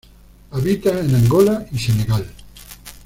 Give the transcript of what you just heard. Habita en Angola y Senegal.